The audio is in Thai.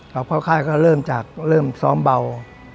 เข้าค่ายก็เริ่มจากเริ่มซ้อมเบา